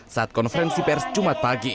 saat konferensi pers jumat pagi